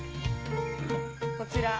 こちら。